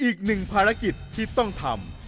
อีกหนึ่งภารกิจที่ต้องทำ